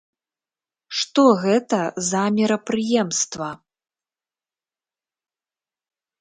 Што гэта за мерапрыемства?